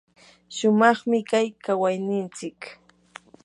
shumaqmi kay kawaynintsik.